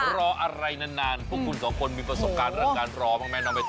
รออะไรนานพวกคุณสองคนมีประสบการณ์การรอบ้าง้า